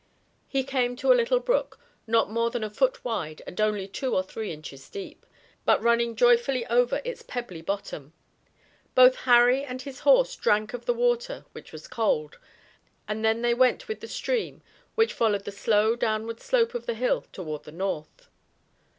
He came to a little brook, not more than a foot wide and only two or three inches deep, but running joyfully over its pebbly bottom. Both Harry and his horse drank of the water, which was cold, and then they went with the stream, which followed the slow downward slope of the hill toward the north.